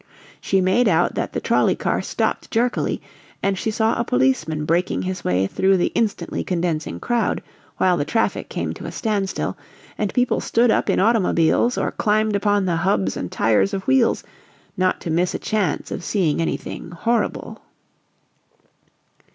She made out that the trolley car stopped jerkily, and she saw a policeman breaking his way through the instantly condensing crowd, while the traffic came to a standstill, and people stood up in automobiles or climbed upon the hubs and tires of wheels, not to miss a chance of seeing anything horrible.